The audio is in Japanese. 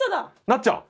なっちゃん